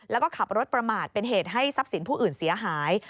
แล้วก็ขับรถประมาทเป็นเหตุให้ทรัพย์สินผู้อื่นเสียหาย